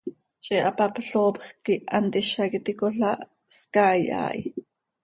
Ziix hapapl hoopjc quih hant hizac iti cola hscaai haa hi.